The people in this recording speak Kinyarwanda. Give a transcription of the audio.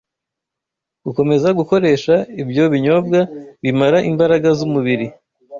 Gukomeza gukoresha ibyo binyobwa bimara imbaraga z’umubiri,